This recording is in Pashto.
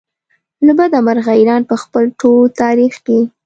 له بده مرغه ایران په خپل ټول تاریخ کې.